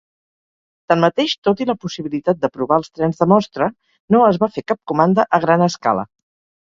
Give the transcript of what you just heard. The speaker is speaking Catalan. Tanmateix, tot i la possibilitat de provar els trens de mostra, no es va fer cap comanda a gran escala.